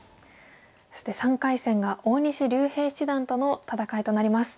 そして３回戦が大西竜平七段との戦いとなります。